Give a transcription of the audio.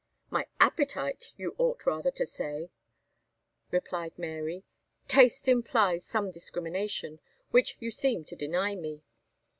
"My appetite, you ought rather to say," replied Mary; "taste implies some discrimination, which you seem to deny me."